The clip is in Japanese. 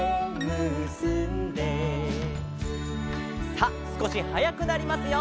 さあすこしはやくなりますよ。